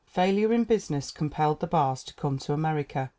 Failure in business compelled the Barrs to come to America.